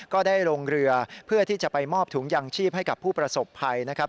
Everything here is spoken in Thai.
ก็ได้ลงเรือเพื่อที่จะไปมอบถุงยางชีพให้กับผู้ประสบภัยนะครับ